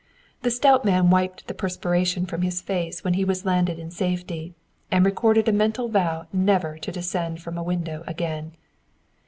The stout man wiped the perspiration from his face when he was landed in safety, and recorded a mental vow never to descend from a window again.